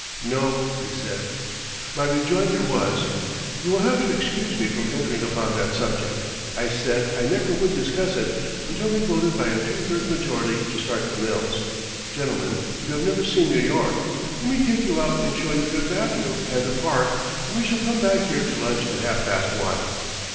"No," he said. My rejoinder was: "You will have to excuse me from entering upon that subject; I said I never would discuss it until they voted by a two thirds majority to start the mills. Gentlemen, you have never seen New York. Let me take you out and show you Fifth Avenue and the Park, and we shall come back here to lunch at half past one."